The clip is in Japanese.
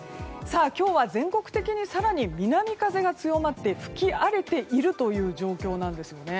今日は全国的に更に南風が強まって吹き荒れているという状況なんですよね。